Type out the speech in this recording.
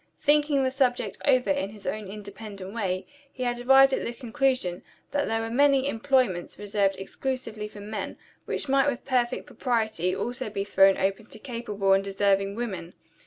Thinking the subject over in his own independent way, he had arrived at the conclusion that there were many employments reserved exclusively for men, which might with perfect propriety be also thrown open to capable and deserving women.